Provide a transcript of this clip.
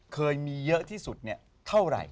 เคยมีเยอะที่สุดเท่าไหร่